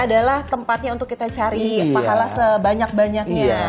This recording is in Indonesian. adalah tempatnya untuk kita cari pahala sebanyak banyaknya